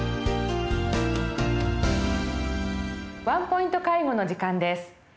「ワンポイント介護」の時間です。